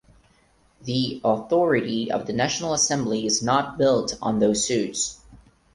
The authority of the national assembly is not built on those suits.